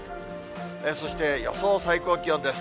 そして予想最高気温です。